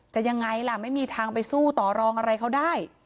ยังไงล่ะไม่มีทางไปสู้ต่อรองอะไรเขาได้